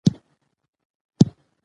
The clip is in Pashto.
خوله د بدن د بوی یوه برخه ده.